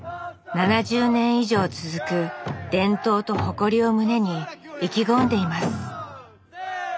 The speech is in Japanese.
７０年以上続く伝統と誇りを胸に意気込んでいます